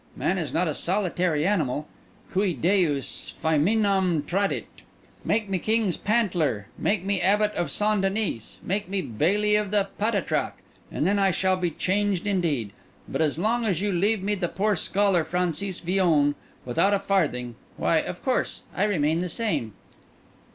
Man is not a solitary animal—Cui Deus fæminam tradit. Make me king's pantler—make me abbot of St. Denis; make me bailly of the Patatrac; and then I shall be changed indeed. But as long as you leave me the poor scholar Francis Villon, without a farthing, why, of course, I remain the same."